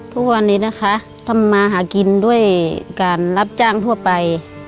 ทุกวันนี้นะคะทำมาหากินด้วยการรับจ้างทั่วไป